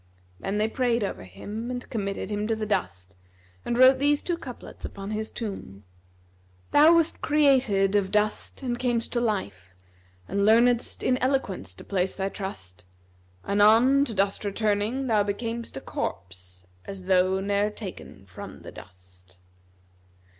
Then they prayed over him and committed him to the dust and wrote these two couplets upon his tomb, 'Thou west create of dust and cam'st to life, * And learned'st in eloquence to place thy trust; Anon, to dust returning, thou becamest * A corpse, as though ne'er taken from the dust."